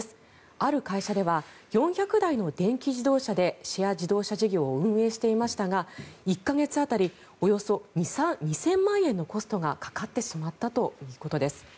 ある会社では４００台の電気自動車でシェア自動車事業を運営していましたが１か月当たりおよそ２０００万円のコストがかかってしまったということです。